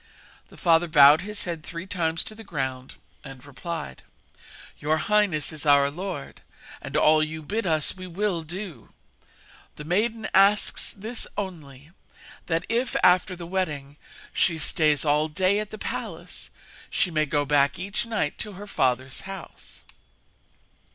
The father bowed his head three times to the ground, and replied: 'Your highness is our lord, and all that you bid us we will do. The maiden asks this only that if, after the wedding, she stays all day at the palace, she may go back each night to her father's house.'